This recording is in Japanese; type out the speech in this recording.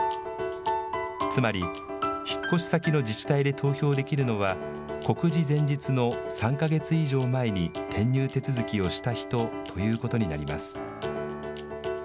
つまり、引っ越し先の自治体で投票できるのは、告示前日の３か月以上前に、転入手続きをした人ということになります。